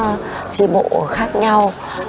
và bốn trí bộ khác nhau